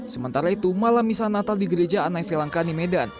sementara itu malam misa natal di gereja anai felangkani medan